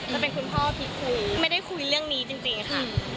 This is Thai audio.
จะเป็นคุณพ่อพี่ครูไม่ได้คุยเรื่องนี้จริงค่ะ